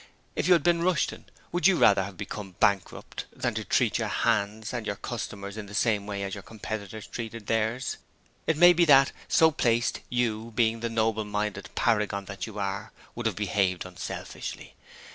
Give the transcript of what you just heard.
If you had been Rushton, would you rather have become bankrupt than treat your 'hands' and your customers in the same way as your competitors treated theirs? It may be that, so placed, you being the noble minded paragon that you are would have behaved unselfishly.